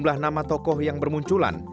sejumlah nama tokoh yang bermunculan